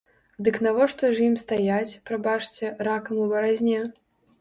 Дык навошта ж ім стаяць, прабачце, ракам у баразне?